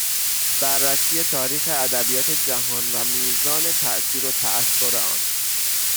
بررسی تاریخ ادبیات جهان و میزان تاثیر و تاثر آن